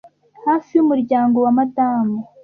hafi y'umuryango wa madamu